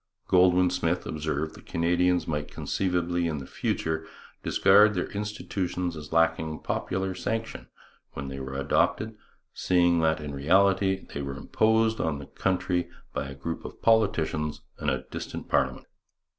Goldwin Smith observed that Canadians might conceivably in the future discard their institutions as lacking popular sanction when they were adopted, seeing that in reality they were imposed on the country by a group of politicians and a distant parliament.